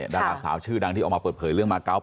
ดาราสาวชื่อดังที่เอามาเปิดเผยเรื่องมาคาร์ว๘๘๘